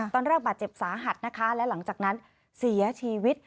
ตอนแรกบาดเจ็บสาหัสนะคะและหลังจากนั้นเสียชีวิต